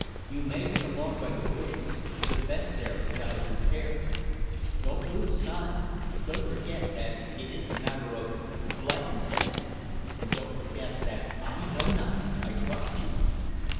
You may get along by the bushes; the fence there is out of repair. Don't lose time. Don't forget that it is a matter of ... life and death. And don't forget that I know nothing. I trust you."